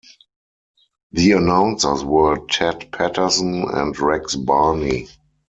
The announcers were Ted Patterson and Rex Barney.